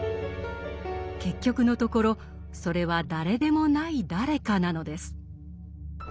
結局のところそれは誰でもない誰かなのです。